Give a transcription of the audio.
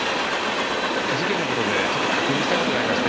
事件の事でちょっと確認したい事がありまして。